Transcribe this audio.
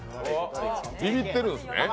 ビビってるんですね？